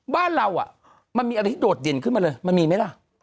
บ้านเรามันมีอะไรที่โดดเด่นขึ้นมาเลยมันมีไหมล่ะ